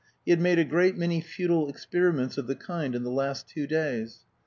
He had made a great many futile experiments of the kind in the last two days.